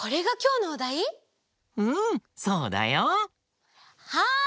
うんそうだよ。はい！